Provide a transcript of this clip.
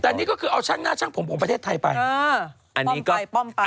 แต่อันนี้ก็คือเอาช่างหน้าช่างผมผมประเทศไทยไป